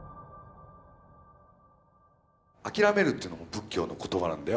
「諦める」というのも仏教の言葉なんだよ。